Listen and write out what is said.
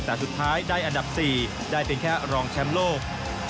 แต่สุดท้ายได้อันดับ๔ได้เป็นแค่รองแชมป์โลก